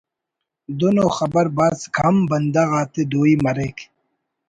دن ءُ خبر بھاز کم بندغ آتے دوئی مریک